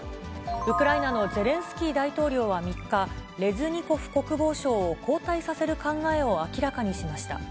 ウクライナのゼレンスキー大統領は３日、レズニコフ国防相を交代させる考えを明らかにしました。